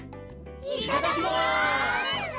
いただきます！